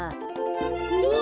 うわ！